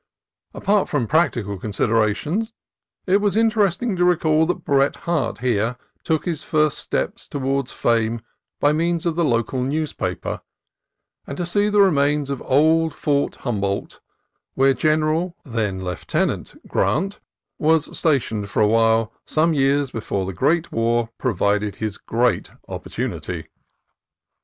Apart from practical considerations, it was interesting to recall that Bret Harte here took his first steps toward fame by means of the local newspaper; and to see the remains of Old Fort Hum boldt, where General (then Lieutenant) Grant was stationed for a time some years before the great war provided his great opportunity.